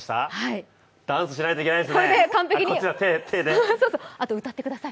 ダンスじゃないといけないですね。